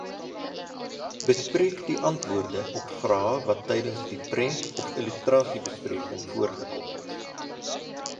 Bespreek die antwoorde op vrae wat tydens die prent- of illustrasiebespreking voorgekom het.